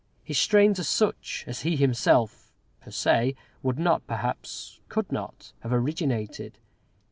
His strains are such as he himself per se would not, perhaps could not, have originated.